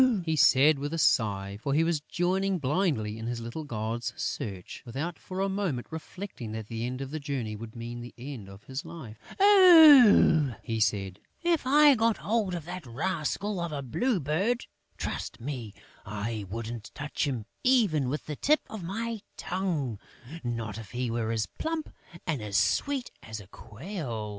he said, with a sigh, for he was joining blindly in his little gods' search, without for a moment reflecting that the end of the journey would mean the end of his life. "Ah," he said, "if I got hold of that rascal of a Blue Bird, trust me, I wouldn't touch him even with the tip of my tongue, not if he were as plump and sweet as a quail!"